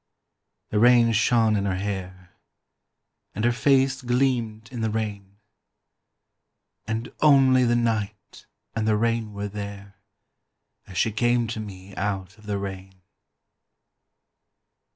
The rain shone in her hair, And her face gleamed in the rain; And only the night and the rain were there As she came to me out of the rain.